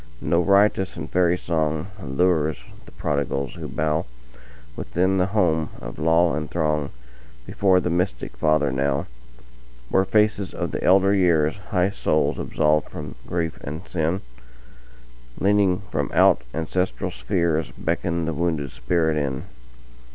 No riotous and fairy songAllures the prodigals who bowWithin the home of law, and throngBefore the mystic Father now, Where faces of the elder years, High souls absolved from grief and sin, Leaning from out ancestral spheresBeckon the wounded spirit in.